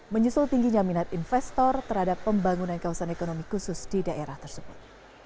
menyusul tingginya minat investor terhadap pembangunan kawasan ekonomi khusus di daerah tersebut